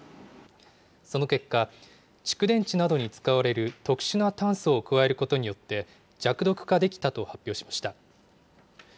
その結果、蓄電池などに使われる特殊な炭素を加えることによって、弱毒化できたと発表しました。